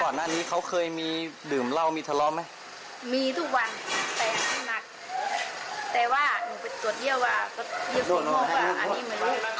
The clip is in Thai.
แต่ว่าหนูไปตรวจเยี่ยวก็เยี่ยวสิ้นโมงกว่าอันนี้เหมือนกัน